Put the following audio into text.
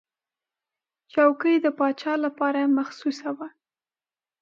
چوکۍ د پاچا لپاره مخصوصه وه.